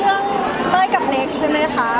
เรื่องเต้ยกับเล็กใช่ไหมคะ